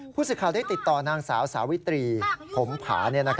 ผู้สื่อข่าวได้ติดต่อนางสาวสาวิตรีผมผา